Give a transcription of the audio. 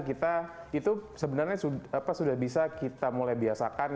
kita itu sebenarnya sudah bisa kita mulai biasakan